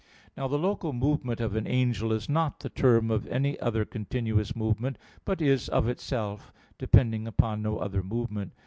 Now the local movement of an angel is not the term of any other continuous movement, but is of itself, depending upon no other movement.